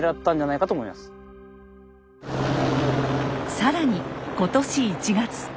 更に今年１月。